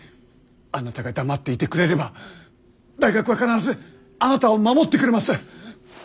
あなたが黙っていてくれれば大学は必ずあなたを守ってくれます。